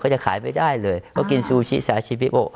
จะขายไม่ได้เลยเขากินซูชิซาชิบิโอ